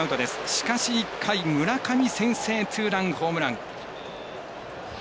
しかし、１回村上先制ツーランホームラン。